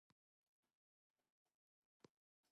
In some scenarios it functions as a type of dead man's switch.